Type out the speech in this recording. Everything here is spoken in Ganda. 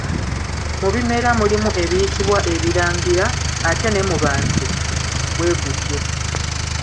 Mu bimera mulimu ebiyitibwa ebirangira ate ne mu bantu bwe gutyo.